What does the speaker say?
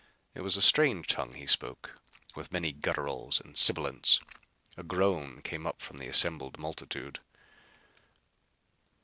It was a strange tongue he spoke, with many gutturals and sibilants. A groan came up from the assembled multitude.